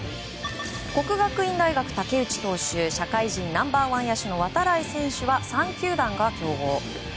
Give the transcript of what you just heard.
國學院大學、武内投手社会人ナンバーワン野手の度会選手は３球団が競合。